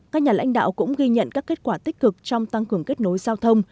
các nhà lãnh đạo cũng ghi nhận các kết quả tích cực trong tăng cường kết nối giao thông